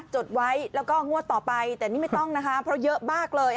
จดไว้แล้วก็งวดต่อไปแต่นี่ไม่ต้องนะคะเพราะเยอะมากเลย